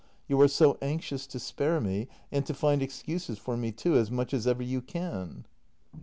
You are so anxious to spare me — and to find excuses for me too — as much as ever you can.